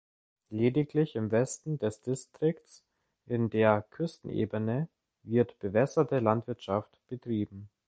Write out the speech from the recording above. Lediglich im Westen des Distrikts in der Küstenebene wird bewässerte Landwirtschaft betrieben.